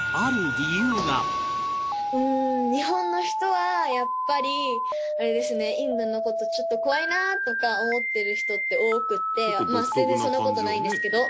うーん日本の人はやっぱりあれですねインドの事をちょっと怖いなとか思ってる人って多くてまあ全然そんな事ないんですけど。